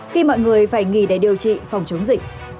khi mọi người phải nghỉ để điều trị phòng chống dịch